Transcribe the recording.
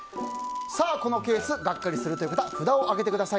このケースガッカリするという方札を挙げてください。